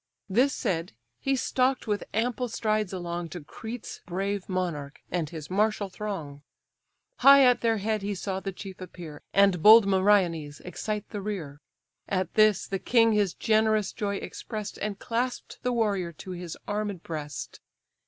This said, he stalk'd with ample strides along, To Crete's brave monarch and his martial throng; High at their head he saw the chief appear, And bold Meriones excite the rear. At this the king his generous joy express'd, And clasp'd the warrior to his armed breast.